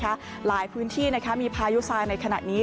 กรุงประเทศหลายพื้นที่มีพายุทรายในขณะนี้